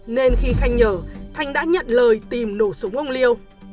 nên khi khanh nhờ thanh đã nhận lời tìm nổ súng ông liêu